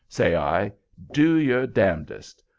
say I, do your d dest.